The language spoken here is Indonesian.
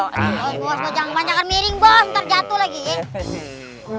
oh jangan panjakan miring ntar jatuh lagi